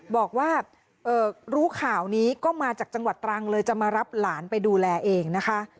บอกว่ารู้ข่าวนี้ก็มาจากจังหวัดตรังเลยจะมารับหลานไปดูแลเองนะคะ